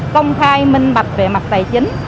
công khai minh bạch về mặt tài chính